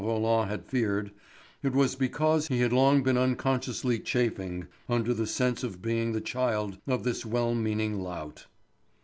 Roland had feared, it was because he had long been unconsciously chafing under the sense of being the child of this well meaning lout.